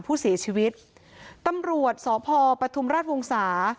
ผู้เสียชีวิตตำรวจสพปฐุมราชวงศา